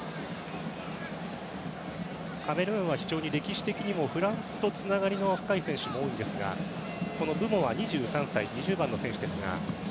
カメルーンは非常に歴史的にもフランスとつながりの深い選手も多いんですがブモは２３歳２０番の選手ですが。